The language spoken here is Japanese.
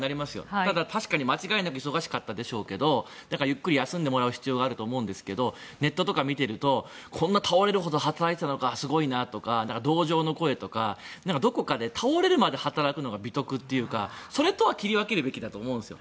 ただ確かに間違いなく忙しかったのでゆっくり休んでいただく必要があると思いますがネットとか見ているとこんな倒れるほど働いていたのかすごいなとか同情の声とかどこかで倒れるまで働くのが美徳とかそれとは切り分けるべきだと思うんですよ。